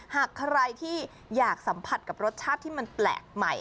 หากใครที่อยากสัมผัสกับรสชาติที่มันแปลกใหม่